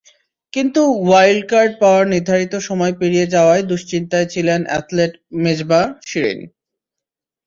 কিন্তু wild card পাওয়ার নির্ধারিত সময় পেরিয়ে যাওয়ায় দুশ্চিন্তায় ছিলেন অ্যাথলেট মেজবাহ-শিরীন।